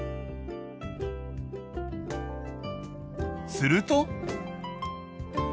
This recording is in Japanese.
すると。